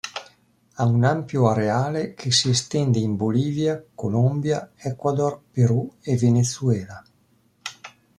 Ha un ampio areale che si estende in Bolivia, Colombia, Ecuador, Perù e Venezuela.